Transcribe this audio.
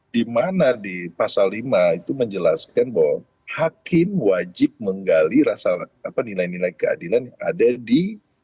dimana di pasal lima itu menjelaskan bahwa hakim wajib menggali nilai nilai keadilan yang ada di